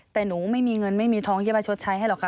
แต่หนูไม่มีเงินไม่มีทองที่จะมาชดใช้ให้หรอกค่ะ